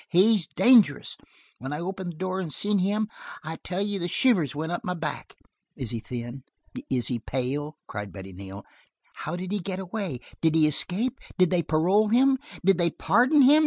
He's dangerous. When I opened the door and seen him, I tell you the shivers went up my back." "Is he thin? Is he pale?" cried Betty Neal. "How did he get away? Did he escape? Did they parole him? Did they pardon him?